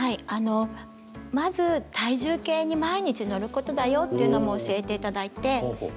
あのまず体重計に毎日乗ることだよというのも教えて頂いて。